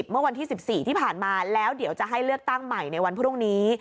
เมื่อวันที่๑๔ที่ผ่านมาแล้วเดี๋ยวจะให้เลือกตั้งใหม่ในวันพรุ่งนี้